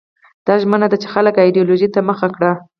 دا ژمنه ده چې خلک ایدیالوژۍ ته مخه کړي.